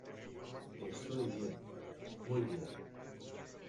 Estoy bien. Muy bien .